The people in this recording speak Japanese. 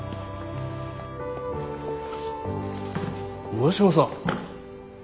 上嶋さん。